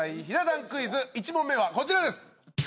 ひな壇クイズ１問目はこちらです。